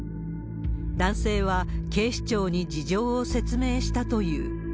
男性は、警視庁に事情を説明したという。